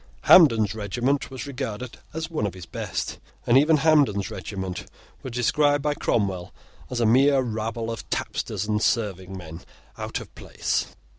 Hampden's regiment was regarded as one of the best; and even Hampden's regiment was described by Cromwell as a mere rabble of tapsters and serving men out of place.